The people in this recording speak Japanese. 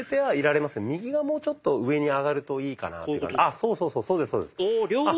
あそうそうそうそうですそうです。